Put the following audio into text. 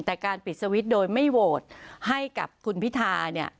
แต่การปิดสวิตช์โดยไม่โหวตให้กับคุณพิธาเนี่ย